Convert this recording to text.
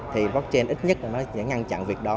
thì blockchain ít nhất nó sẽ ngăn chặn việc đó